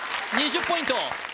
２０ポイント